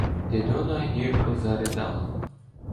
Дидона гірко заридала